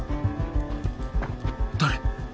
誰？